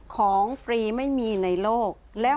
ฟรีไม่มีในโลก